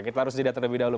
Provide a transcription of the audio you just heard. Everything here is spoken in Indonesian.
kita harus didatangi dahulu